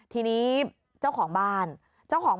ทีนี้เจ้าของบ้าน